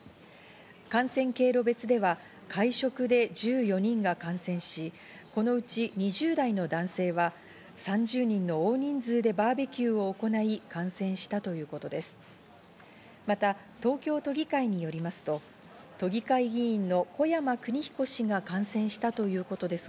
感染経路別では会食で１４人が感染し、このうち２０代の男性は３０人の大人数でバーベキューを行い、感染したということです。